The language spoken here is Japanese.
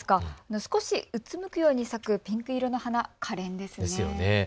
少しうつむくように咲くピンク色の花、かれんですね。